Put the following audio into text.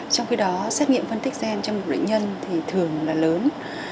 trong khi đó xét nghiệm phân tích gen trong một bệnh nhân thì thường là lớn